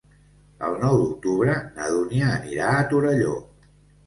El nou d'octubre na Dúnia anirà a Torelló.